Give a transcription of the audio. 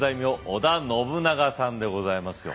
織田信長さんでございますよ。